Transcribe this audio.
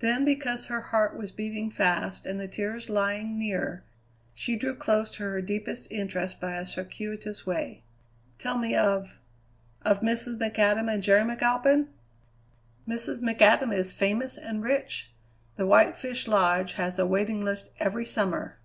Then, because her heart was beating fast and the tears lying near, she drew close to her deepest interest by a circuitous way. "Tell me of of Mrs. McAdam and Jerry McAlpin?" "Mrs. McAdam is famous and rich. The White Fish Lodge has a waiting list every summer.